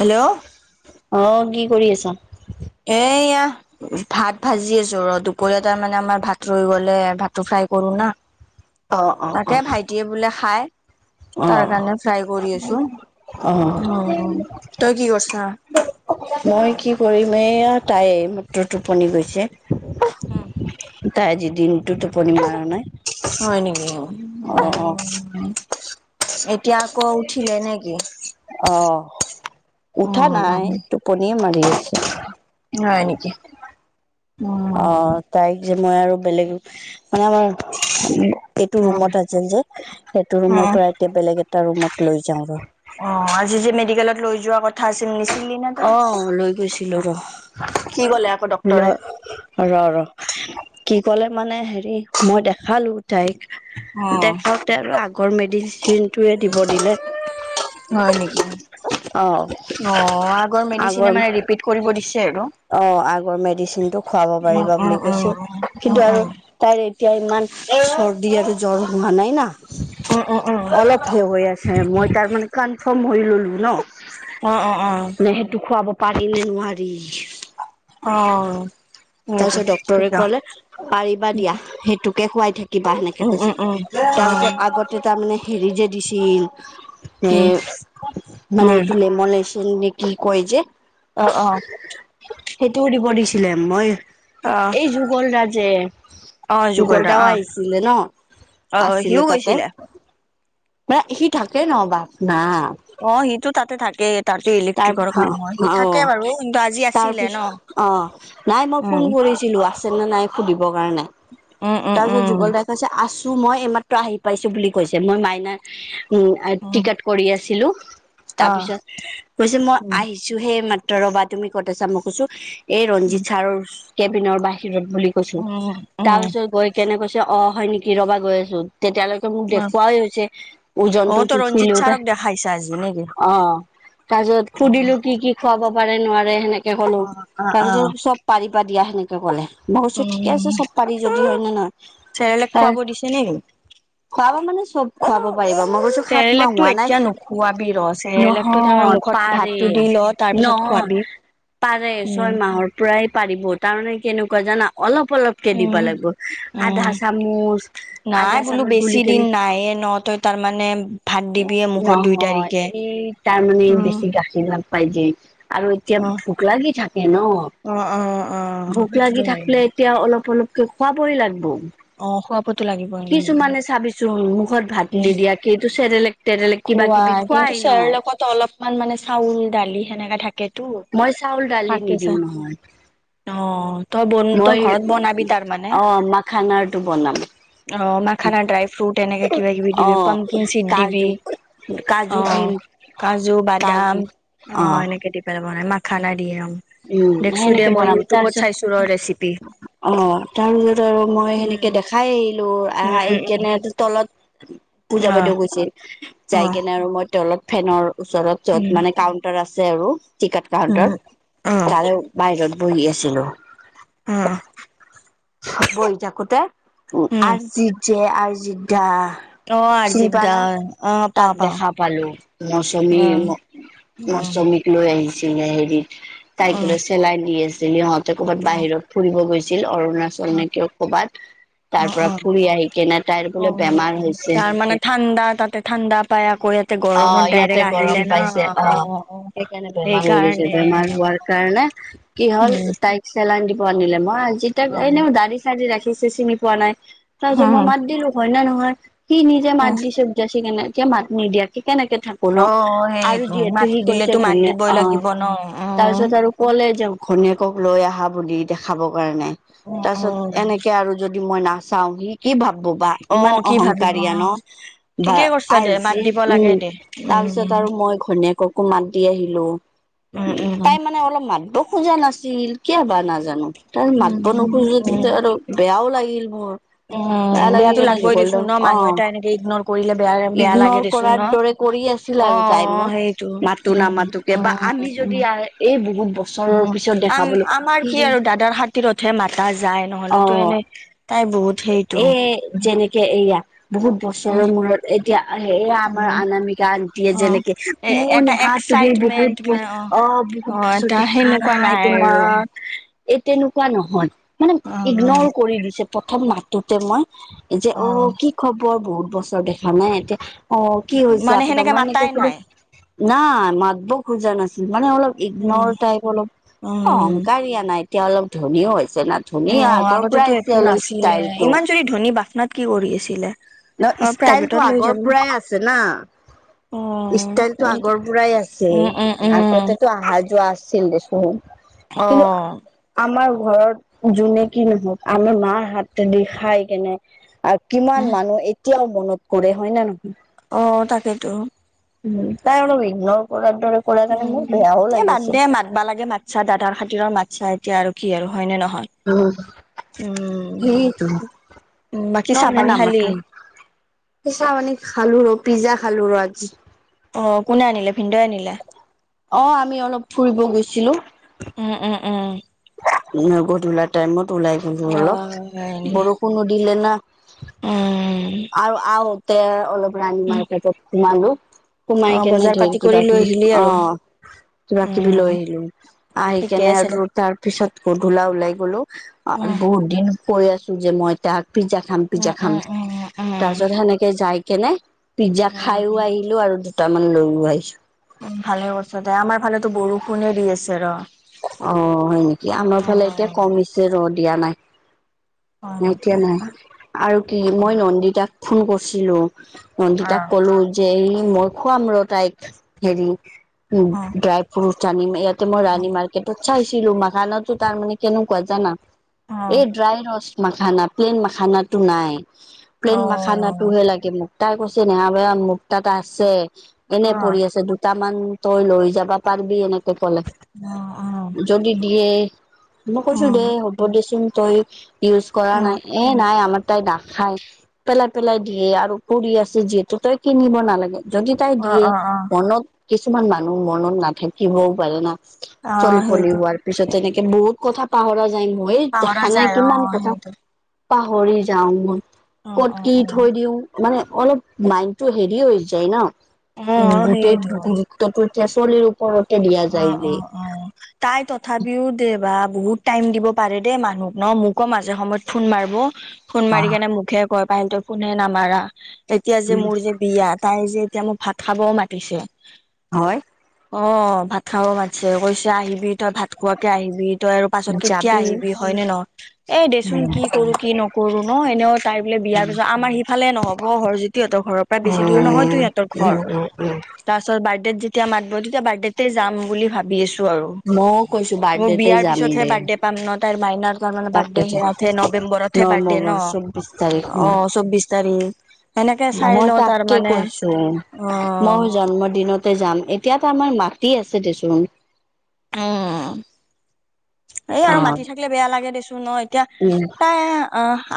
Hello? অ, কি কৰি আছ'? এইয়া ভাত ভাজি আছো ৰ দুপৰীয়াতে মানে আমাৰ ভাত ৰৈ গ'লে ভাতটো ফ্ৰাই কৰো না। [inaudible] তাকে অ'। ভাইটিয়ে বোলে খায়। [inaudible] তাৰ কাৰণে ফ্ৰাই কৰি আছো, অ', উম তই কি কৰছা? মই কি কৰিম এয়া তাই মাত্ৰ টোপনি গৈছে। উম। তাই আজি দিনটো টোপনি মাৰা নাই। হয় নেকি অ? এতিয়া আকৌ উঠিলে নে কি? অ, অ উঠা নাই টোপনিয়ে মাৰি আছে। হয় নেকি উম। অ তাইক যে মই আৰু বেলেগ মানে আমাৰ এইটো অ ৰুমত অ আছিল যে, সেইটো ৰুমৰ পৰা এতিয়া বেলেগ এটা ৰুমত লৈ যাওঁ ৰ। অ আজি যে মেডিকেলত লৈ যোৱা কথা আছিল নিছিলি? নে তই অহ লৈ গৈছিলো ৰ কি ক'লে আকৌ ল ডক্তৰে ৰ ৰ! কি কলে মানে হেৰি মই দেখালো তাইক, অ দেখাওঁতে আৰু আগৰ মেডিচিনটোৱে দিব দিলে। হয় নেকি? অ আগৰ মেডিচিনে মানে ৰিপিট কৰিব দিছে আৰু। অ আগৰ মেডিচিনটো খুৱাব উম পাৰিবা উম বুলি উম কৈছিল উম কিন্তু আৰু উম তাইৰ এতিয়া ইমান চৰ্দি আৰু জ্বৰ হোৱা নাই ন। অ অ অ। অলপ হে হৈ আছে। মই তাৰমানে কনফাৰ্ম হৈ ল'লোঁ ন? অ অ অ। নে সেইটো খোৱাব পাৰি নে নোৱাৰি? অ। সেইটো তাৰপিছত ডক্টৰে ঠিকে কলে, পাৰিবা দিয়া সেইটোকে খুৱাই থাকিবা সেনেকে উম উম উম কৈছে। অ তাৰ পিছত আগত তে তাৰ মানে হেৰি যে দিছিল এ উম মানে উম এইটো লেম লেছ এন নে কি কয় যে? অ, অ। সেইটোও দিব দিছিলে মই অ এই যুগল দা যে, অ যুগল দা দাও অ আহিছিলে ন? অ অ সিও আছিলো তাতে, গৈছিলে মানে সি থাকে ন বাপ না অ, সিটো তাতে থাকে। তাতে তাৰ ইলেক্ট্ৰিকৰ কামৰ সি অ, বাৰু অ, কিন্তু আজি আছিলে ন তাৰপিছত অ, নাই মই ফোন উম কৰিছ ছিলো আছে নে নাই সুধিবৰ কাৰনে? উম তাৰপিছত উম যুগল দাই কৈছে আছো মই এইমাত্ৰ আহি পাইছো বুলি কৈছে, মই মাইনা উম আ টিকট কৰি আছিলো। অ তাৰপিছত কৈছে মই উম আহি ছো হে মাত্ৰ ৰবা তুমি ক'ত আছা? মই কৈছো এই উম ৰঞ্জিত ছাৰৰ কেবিনৰ বাহিৰত বুলি কৈছো। উম তাৰ উম পিছত গৈ কেনে কৈছে অ, হয় নেকি ৰবা গৈ আছো, তেতিয়ালৈকে ত মোক অ দেখুৱাই হৈছে, অ ওজনটো তই জুখি ৰঞ্জিত লওতে, ছাৰক দেখাইছা আজি নেকি অ'। তাৰ পিছত সুধিলো কি কি খুৱাব পাৰে নোৱাৰে সেনেকে কলো, অ তাৰ অ পিছত চব পাৰিবা দিয়া সেনেকে ক'লে, মই কৈছো ঠিকে উম, আছে চব পাৰি যদি হয় নে নহয়? চেৰেলেক খুৱাব দিছে নেকি? খোৱাব মানে চব খুৱাব পাৰিবা, মই কৈছো সাত মাহ চেৰেলেকটো হোৱা নাই। এতিয়া নোখোৱাবি ৰ' চেৰেলেকটো তাৰমানে নহয় তা মুখত পাৰে, ভাতটো দি ল' তাৰ পিছত নহয় খোৱাবি। পাৰে উম, ছয় মাহৰ প্ৰায় পাৰিব তাৰমানে কেনেকুৱা জানা অলপ অলপ কে দিবা উম, লাগিব, আধা উম। চামুচ নাই -আধা বোলো চামুচ গুলি বেছি কেনি দিন নাইয়ে ন' তই তাৰমানে ভাত এ দিবিয়ে মুখত দুই নহয়, তাৰিখে। এই তাৰ মানে উম, বেছি গাখীৰ নাপাই যে। আৰু এতিয়া অ', ভোক লাগি থাকে ন, অ', অ', অ', ভোক লাগি সেইটোতো হয়। থাকিলে এতিয়া অলপ অলপকে খুৱাবই লাগব। অ', খুৱাবতো লাগিব উম। কিছুমানে চাবিচোন মুখত ভাত নিদিয়াকেইটো চেৰেলেক তেৰেলেক কিবা কিবি খুৱাই ন। ত', অলপমান মানে চাউল দালি সেনেকা থাকেতো। মই চাউল দালি থাকে চা নিদিওঁ নহয়। অ', তই বন তই মই ঘৰত বনাবি তাৰ মানে। অ মাখানাৰটো বনাম অ', মাখানা ড্ৰাই ফ্ৰুইট এনেকে কিবা কিবি অ দিবি পামকিন চিড দিবি, কাজু কাজু অ'। দিম কাজু বাদাম কাজু অ', এনেকে দি পেলাই বনাই মাখানা দিয়ে উম। উম, সেনেকে বনালে তাৰপিছত ৰ ৰেচিপি অ', তাৰপিছত আৰু মই উম সেনেকে দেখাই আহিলো আহা উম এই উম কেনে তলত উম পূজা অ বাইদেউ গৈছে। অ যায় কেনে আৰু মই তলত ফেনৰ ওচৰত উম য'ত মানে কাউণ্টাৰ আছে আৰু টিকট উম কাউণ্টাৰ। অ তাৰে বাহিৰত বহি আছিলো। উম। বহি থাকোতে উম আৰ্জিত যে আৰ্জিত দা অ চিনি আৰ্জিত দা পাৱানা, অ পাওঁ তাক পাওঁ দেখা পালো মৌচুমী অ উম। লৈ আহিছিলে, হেৰিত অ তাইক লৈ চেলাইন দি আছিল ইহঁতে ক'ৰবাত অ বাহিৰত ফুৰিব গৈছিল অৰুণা চল নে কিয় ক'বাত অ তাৰ পৰা অ ফুৰি আহি কেনে তাইৰ অ বোলে বেমাৰ হৈছে। তাৰ মানে ঠাণ্ডা তাতে ঠাণ্ডা পায় আকৌ ইয়াত অ', ইয়াতে গৰম পাইছে অ', সেইকাৰণে বেমাৰ হৈ গৈছে সেইকাৰণে বেমাৰ অ হোৱাৰ কাৰণে কি উম হ'ল তাইক চেলাইন দিব আনিলে মই আজি তাক এনেইও দাৰি চাৰি ৰাখিছে চিনি পোৱা নাই। তাৰ পিছত মই উম মাত দিলো হয় নে নহয়, সি নিজে মাত দিছে উপযাচি কেনে এতিয়া মাত নিদিয়াকে কেনেকে থাকো ন, অ সেই আৰু মাত যিহেতু সি দিলেতো কৈছে মাত ঘনি দিবই অ'। লাগিব ন অ তাৰ পিছত আৰু ক'লে যে ঘনীয়েকক লৈ আহা বুলি দেখাব কাৰনে। অ তাৰ অ পিছত এনেকে আৰু যদি মই নাচাও সি কি ভাববো বা অ ইমান কি ভাবিব অ অহংকাৰিয়া ন বা ঠিকেই কৰিছা আই দে মাত জি দিব উম, লাগে দে তাৰ উম পিছত আৰু উম মই ঘনীয়েককো মাত দি আহিলোঁ। উম, তাই মানে অলপ মাতব খোজা নাছিল কিয় বা নাজানো। তাই মাতব উম উম নোখোজোটেটো আৰু বেয়াও লাগিল মোৰ। উম, বেয়া লাগি বেয়াতো কেনে লাগবই যুগল দা দেচোন ন অ মানুহ এটা এনেকে ইগনৰ কৰিলে বেয়া- বেয়া লাগে ইগনৰ দেচোন কৰাৰ দৰে কৰি আছিল আৰু তাই মোক, সেইটো মাতো উম নামাটোকে বা উম আমি যদি উম এই বহুত ব উম, আম আমাৰ কি আৰু দাদাৰ খাতিৰতহে মাতা যায় নহ'লেতো এনে তাই বহুত সেইটো এই যেনেকে এয়া বহুত বছৰৰ মূৰত এতিয়া আহে এয়া আমাৰ উম অনামিকা আন্তীয়ে অ যেনেকে এ অ', এটা নেহা তুমি বহুত এক্সাইটমেন্ট বহ মে অ', বহ বহুত বছৰ এটা দেখা সেনেকুৱা নাই আৰু অ তোমাক এই তেনেকুৱা নহয় মানে ইগনৰ কৰি দিছে প্ৰথম মাতোতে মই, যে অ', কি খবৰ বহুত বছৰ দেখা নাই এতিয়া অ', কি হৈছে মানে আপোনাৰ সেনেকে মই এনেকে মাতাই সুধো নাই নাই মাতব খোজা নাছিল মানে অলপ উম ইগন'ৰ টাইপ অলপ উম অহংকাৰ ৰিয়া নাই এতিয়া অলপ ধনীও হৈছে না ধনী অ আগৰ পৰাই আগতেতো আহিছে একো অলপ নাছিলে ষ্টাইল টো। ইমান ধনী বাঠনাত কি কৰি আছিলে। অ ন প্ৰাইভেটত ষ্টাইলটো লৈ আগৰ যাব পৰাই আছে না। অ ষ্টাইলটো সেইটো আগৰ পৰাই আছে, উম উম উম আগতেটো আহা যোৱা আছিল দেচ চোন, অ কিন্তু আমাৰ ঘৰত যোনেকি নহওক আমাৰ মাৰ হাতেদি খাই কেনে আৰু কিমান মানুহ এতিয়াও মনত কৰে হয় না নহয়। অ, তাকেইতো। উম, তাই অলপ ইগনৰ কৰাৰ দৰে কৰাৰ কাৰণে মোৰ উম, বেয়াও এই বাদ লাগিছে দে মাতবা লাগে মাতছা দাদাৰ খাতিৰত মাতছা এতিয়া আৰু কি আৰু হয় নে নহয়। উম, উম সেইটো উম বাকী চাহ নহে পানী খালি নামাতোতিলো, চাহপানী খালো ৰ পিজ্জা খালো ৰ আজি অ, কোনে আনিলে, ভিনদেওৱে আনিলে। অ, আমি অলপ ফুৰিব গৈছিলো। উম-উম-উম, নগধ ওলা টাইমত ওলাই গলো অ' অলপ হয় নেকি? বৰষুণো দিলে না। উম, আৰু আহোতে অলপ ৰাণী মাৰ্কেটত সোমালো। সোমাই অ' কেনে বজাৰ ধেই পাতি কিবা কৰি লৈ কিবি আহিলি অ, আৰু কিবা কিবি উম লৈ আহিলো। আহি ঠিকে কেনে আছে দে। আৰু তাৰ পিছত গধূলা ওলাই গলো। উম বহুত দিন কৈ আছো যে মই তাহাক পিজ্জা খাম পিজ্জা খাম উম-উম-উম-উম, তাৰ পিছত সেনেকে যাই কেনে পিজ্জা খাইও উম আহিলো আৰু দুটামান লৈও আহিছো। ভালে কৈছা দে আমাৰ ফালেতো বৰষুণে দি আছে ৰ। অ, হয় নেকি? আমাৰ ফালে এতিয়া অ', কমিছে ৰ দিয়া নাই। হয় নেকি এতিয়া নাই অ' আৰু কি মই নন্দিতাক ফোন কৰছিলো। নন্দিতাক ক'লো যে এই মই খুৱাম ৰ তাইক হেৰি, উম, অ' অ' ড্ৰাই ফ্ৰুটছ ইয়াতে মই ৰানী মাৰ কেটত চাইছিলো মাখানাতো তাৰমানে কেৱনো কজানা, অ' এই ড্ৰাই ৰস মাখানা প্লেইন মাখানটো নাই অ' অ' অ' প্লেইন মাখানাটোহে লাগে মোক। তাই কৈছে নেহা বা মোক তাটা আছে, এনে অ' পৰি আছে দু টামান তই লৈ যাবা পাৰিবি এনেকে ক'লে। অ, অ, যদি দিয়ে মই কৈছো দে হ'ব দেচোন তই ইউজ কৰা নাই। এ নাই আমাৰ তাই নাখাই। পেলাই-পেলাই দিয়ে আৰু পৰি আছে যিহেতু তই কিনিব নালাগে। যদি তাই দিয়ে অ' অ' অ' মনত কিছুমান মানুহ মনত নাথাকিবও পাৰে না। অ' চলি পলি সেইটো হোৱাৰ পিছত তে এনেকে বহুত কথা পাহৰা যায় মই পাহৰা দেখা নাই যায় অ' কিমান কথা সেইটো পাহৰি যাওঁ। মই অ' ক'ত অ' কি অ' থৈ দিওঁ মানে অলপ মাইণ্ডটো হেৰি হৈ যায় ন। উম, অ' গোটেই সেইটো গুৰুত্বটো এতিয়া চলিৰ ওপৰতে দিয়া অ যায় অ যে। অ তাই তথাপিও দে বা বহুত টাইম দিব পাৰে দেই মানুহক ন মোকো মাজে সময়ত ফোন মাৰিব ফোন মাৰি কেনে মোকহে কয় পাই তই ফোনে নামাৰা। তেতিয়া যে মোৰ যে বিয়া তাই যে এতিয়া মোক ভাত খাবও মাতিছে। হয়। অ', ভাত খাব মাতছে কৈছে আহিবি তই ভাত খোৱাকে আহিবি তই আৰু পাছত কেতিয়া যাবি আহিবি হয়নে ন এ দেচোন কি কৰো কি নকৰো ন, এনে তাই বোলে বিয়াৰ পিছত আমাৰ সিফালে নহব ঘৰ জেঠী হতৰ ঘৰ পৰা উম, বেছি দূৰ নহয়তো সিহঁতৰ ঘৰ। উম, উম, উম, তাৰ পাছত বাৰ্থডেত যেতিয়া মাতবো তেতিয়া বাৰ্থডেতে যাম বুলি ভাব বিছো আৰু মইও কৈছো মোৰ বাৰ্থডেতে বিয়াৰ যাম পিছতহে দে। বাৰ্থডে পাম ন তাইৰ মাইনাৰ তাৰমানে বাৰ্থডে তাকেতো হে হে নৱেম্বৰত হে বাৰ্থডে ন' নৱেম্বৰ চৌবিশ তাৰিখ ম অ, চৌবিশ তাৰিখ। সেনেকে চাই মই লওঁ তাৰ তাকে মানে কৈছো অ মইও জন্ম দিনতে যাম। এতিয়া আমাৰ মাটি আছে দেচোন। অ', এই আৰু মাতি থাকিলে বেয়া লাগে দেছোন ন এতিয়া উম, তাই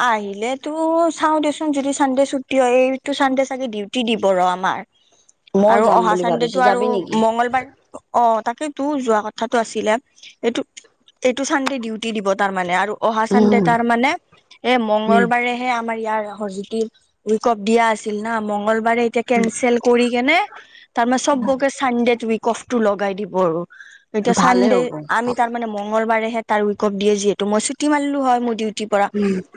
আহিলেতো চাওঁ দেচোন যদি চানডে' ছুটি হয় এইটো চানডে চাগে ডিউটি দিব ৰ আমাৰ। [unintelligible] আৰু যাম অহা বুলি ভাবিছো চানডেটো আৰু যাবি নেকি? মংগলবাৰ অ', তাকেই তো যোৱা কথাটো আছিলে এইটো এইটো চানডে ডিউটি দিব তাৰ মানে আৰু অহা চানডে উম, তাৰ মানে এই মঙগলবাৰে এ আমাৰ ইয়াৰ হৰজ্যোতিক [unintelligible] দিয়া আছিল না মঙলবাৰে এতিয়া কেনঞ্চেল কৰি কেনে তাৰ মে চবকে চানডে উইক অফ টো লগাই দিব আৰু। এতিয়া ভালে চানডে হ'ব। আমি তাৰ মানে মঙলবাৰেহে তাৰ উইক অফ দিয়ে যিহেতু মই ছুটি মাৰিলো হয় মোৰ টি পৰা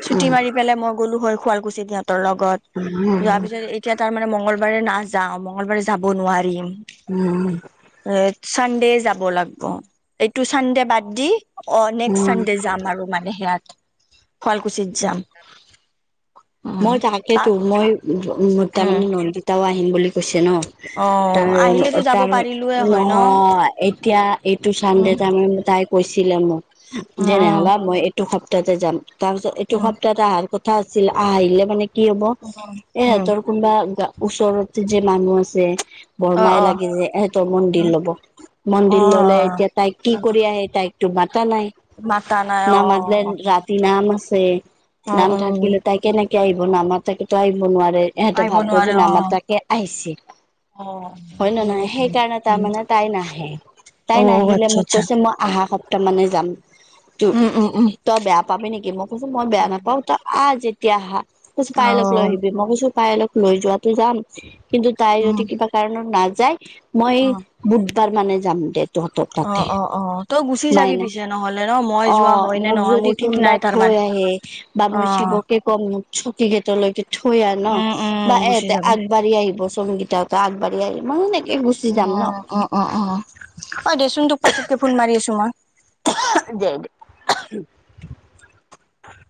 ছুটি মাৰি পেলাই মই গ'লো হয় শুৱালকুছি সিহতৰ লগত যোৱাৰ পিছত এ এতিয়া তাৰ মানে মঙলবাৰে নাযাওঁ মঙলবাৰে যাব নোৱাৰিম। উম। এ চানডে যাব লাগব এইটো চানডে বাদ দি অ', নেক্সট চানডে যাম আৰু মানে সেয়াত। শুৱালকুছিত যাম। উম মই তাকেতো তাক মই উম তাৰমানে নন্দীতাও আহিম বুলি কৈছে ন। অ তাৰ আহিলেতো যাব তাৰ পাৰিলোয়ে হয় ন নহয় এতিয়া এইটো চানডে উম তাৰমানে তাই কৈছিলে মোক অ যে অ নেহা বা মই এইটো সপ্তাহতে যাম তাৰপিছত এইটো উম সপ্তাহতে অহাৰ কথা কথা আছিল আহিলে মানে কি হ'ব উম এহঁতৰ কোনোবা ওচৰতে যে মানুহ আছে। অ বৰমাই অ লাগি যে এহতৰ মন্দিৰ লব অ অ মন্দিৰ ললে এতিয়া তাইক কি কৰি আহে তাইক টো মাতা নাই মাতা নাই অ নামাতলে ৰাতি নাম আছে অ নাম অ থাকিলে তাই কেনেকে আহিব নামাতাকেতো আহিব নোৱাৰে এহেতে আহিব ভাবিব যে নোৱাৰে অ নামা তাকে আহিছি। অ হয় নে নহয়, সেইয়েতো সেইকাৰণে তাৰ উম মানে তাই নাহে অ তাই নাহিলে আচ্ছা মোক আচ্ছা কৈছে মই আহা সপ্তাহ মানে যাম ত উম উম উম তই বেয়া পাবি নেকি, মই কৈছো মই বেয়া নাপাওঁ তই আহ যেতিয়া আহা কৈছো পাইলক লৈ অ', আহিবি মই কৈছো পাইলক লৈ যোৱটো যাম কিন্তু তাই যদি উম, কিবা কাৰণত নাযায় মই অ', বুধবাৰ মানে যাম দে তহঁতৰ অ', তাতে। অ', অ', তই গুচি যাবি মাইনা পিছে নহ'লে ন মই অ যোৱা হয় নে মোক নহয় যদি মোৰ ঠিক কোনোবা নাই তাৰমান থৈ আহে, বা মই অ', শিৱকে- কম চকী গেটলৈকে থৈ আ ন উম, বা উম, গুচি এতে আগ- যাবি আগবাঢ়ি আহিব সংগীতাহতে আগবাঢ়ি আহি মই - অঁ অঁ অঁ অঁ হয় দেচোন তোক পাছতকে ফোন মাৰি আছো মই- অ দে দে হয়